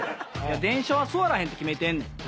電車は座らへんって決めてんねん。